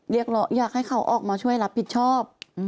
เรียกเหลืออยากให้เขาออกมาช่วยรับผิดชอบ